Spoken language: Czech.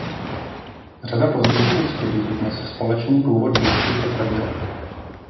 Řada pozdějších studií dnes společný původ běžců potvrdila.